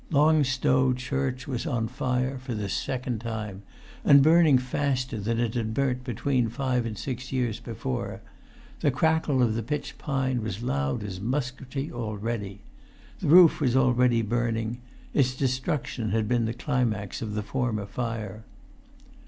Long Stow church was on fire for the second time, and burning faster than it had burnt between five and six years before. The crackle of the pitch pine was loud as musketry already. The roof was already burning; its destruction had been the climax of the former fire.